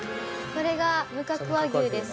これが無角和牛ですか。